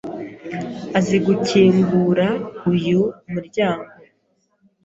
Azi gukingura uyu muryango.